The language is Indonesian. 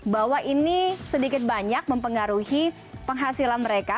bahwa ini sedikit banyak mempengaruhi penghasilan mereka